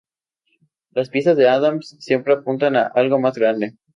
Las piezas de Adams siempre apuntan a algo más grande.